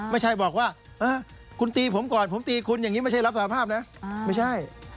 ไม่ใช่บอกว่าคุณตีผมก่อนผมตีคุณอย่างนี้ไม่ใช่รับสารภาพนะไม่ใช่